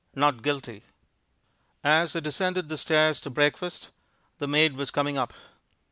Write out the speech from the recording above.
Not Guilty As I descended the stairs to breakfast, the maid was coming up.